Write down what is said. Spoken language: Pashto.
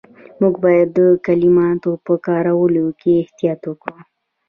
موږ باید د کلماتو په کارولو کې احتیاط وکړو.